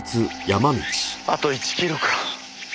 あと１キロか。